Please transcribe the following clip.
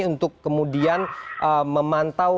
untuk kemudian memantau